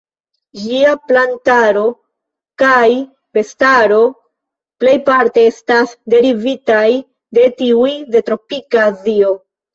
Ĝia plantaro kaj bestaro plejparte estas derivitaj de tiuj de tropika Azio.